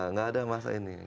enggak ada masa ini